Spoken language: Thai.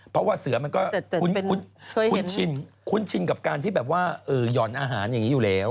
เวลาเสือคุ้นชินกับการที่หย่อนอาหารอยู่แล้ว